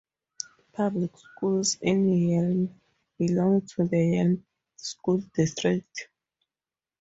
Public schools in Yelm belong to the Yelm School District.